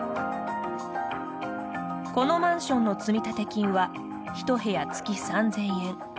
このマンションの積立金は一部屋、月３０００円。